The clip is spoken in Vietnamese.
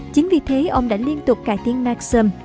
chính vì thế ông đã liên tục cải tiến maxim